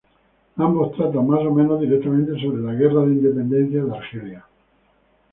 Ambos tratan más o menos directamente sobre la Guerra de Independencia de Argelia.